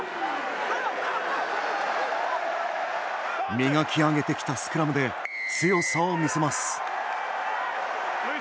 磨き上げてきたスクラムで強さを見せます。